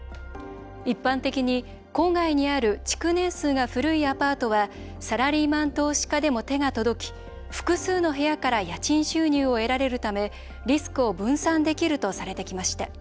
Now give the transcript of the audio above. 一般的に郊外にある築年数が古いアパートはサラリーマン投資家でも手が届き複数の部屋から家賃収入を得られるためリスクを分散できるとされてきました。